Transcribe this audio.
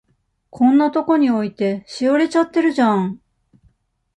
こんなとこに置いて、しおれちゃってるじゃん。